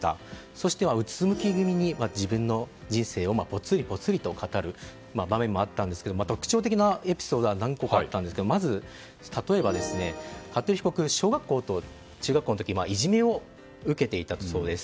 そして、うつむき気味に自分の人生をぽつりぽつりと語る場面があったんですが特徴的なエピソードが何個かあったんですが例えば、服部被告は小学校と中学校の時いじめを受けていたそうです。